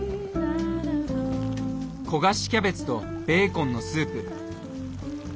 焦がしキャベツとベーコンのスープ。